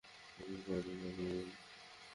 উনি cardinal Burne.